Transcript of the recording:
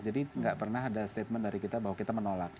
jadi enggak pernah ada statement dari kita bahwa kita menolak